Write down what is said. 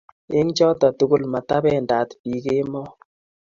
eng choto tugul, matabendat biin kemoi